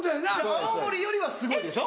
青森よりはすごいでしょ？